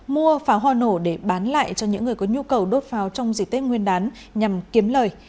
mua pháo hoa nổ để bán lại cho những người có nhu cầu đốt pháo trong dịp tết nguyên đán nhằm kiếm lời